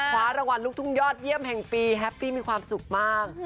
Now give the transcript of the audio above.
คว้ารางวัลลูกทุ่งยอดเยี่ยมแห่งปีแฮปปี้มีความสุขมาก